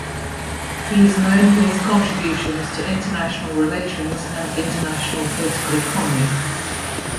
He is known for his contributions to International Relations and International Political Economy.